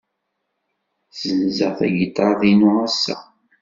Ssenzeɣ tagiṭart-inu ass-a.